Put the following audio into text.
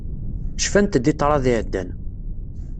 Cfant-d i ṭṭrad iɛeddan.